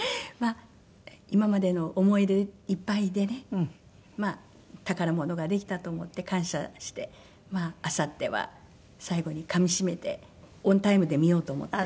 今までの思い出いっぱいでね宝物ができたと思って感謝してあさっては最後にかみしめてオンタイムで見ようと思って。